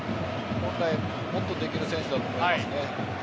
もっとできる選手だと思いますね。